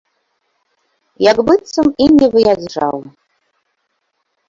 Як быццам і не выязджаў.